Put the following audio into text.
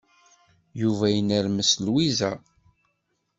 Yuba yennermes Lwiza.